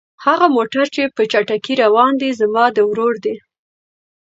هغه موټر چې په چټکۍ روان دی زما د ورور دی.